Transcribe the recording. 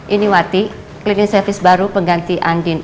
ini wati klinik servis baru pengganti andien